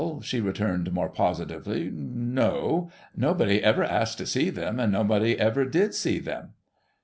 ' she returned more positively, ' no. Nobody ever asked to see them, and nobody ever did sec them.'